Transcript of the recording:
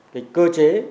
cái cơ chế